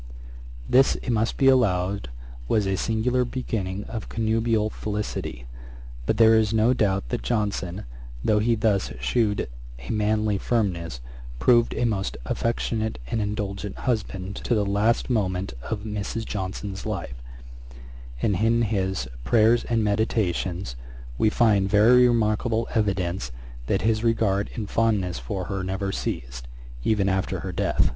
This, it must be allowed, was a singular beginning of connubial felicity; but there is no doubt that Johnson, though he thus shewed a manly firmness, proved a most affectionate and indulgent husband to the last moment of Mrs. Johnson's life: and in his Prayers and Meditations, we find very remarkable evidence that his regard and fondness for her never ceased, even after her death.